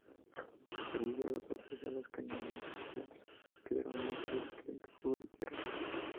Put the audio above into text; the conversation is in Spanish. Perdida la sorpresa las cañoneras quedaron bajo un violento fuego de tierra.